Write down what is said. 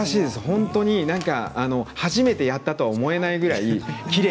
本当に初めてやったと思えないぐらい